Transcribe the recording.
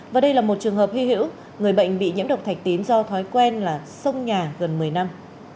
và đây là một trường hợp hy hữu người bệnh bị nhiễm độc thạch tín do thói quen là sông nhà gần một mươi năm